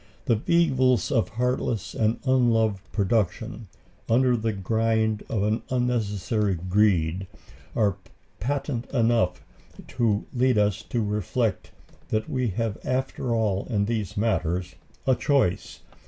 The evils of heartless and unloving production, under the grind of an unnecessary greed, are patent enough to lead us to reflect that we have after all in these matters a choice.